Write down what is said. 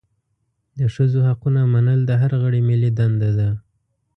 د ښځو حقونه منل د هر غړي ملي دنده ده.